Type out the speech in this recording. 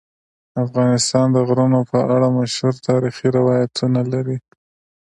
افغانستان د غرونه په اړه مشهور تاریخی روایتونه لري.